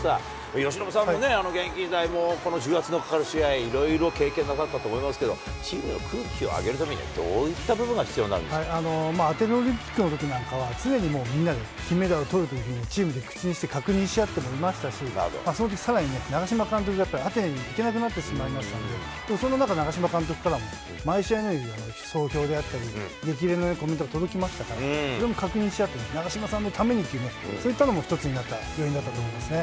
由伸さんもね、現役時代、この重圧のかかる試合、いろいろ経験なさったと思いますけど、チームの空気を上げるためにはどういった部分が必要になるんですアテネオリンピックのときなんかは、常にみんなで金メダルをとるというふうに、チームで口にして、確認し合ってもいましたし、それでさらに長嶋監督がアテネに行けなくなってしまいましたので、その中、長嶋監督からも毎試合のように、総評であったり、激励のコメントが届きましたから、それを確認し合って、長嶋さんのためにっていう、そういったものも一つになった要因だと思いますね。